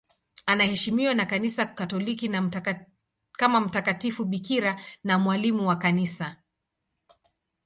Anaheshimiwa na Kanisa Katoliki kama mtakatifu bikira na mwalimu wa Kanisa.